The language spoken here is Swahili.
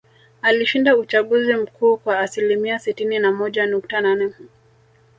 Alishinda uchaguzi mkuu kwa asilimia sitini na moja nukta nane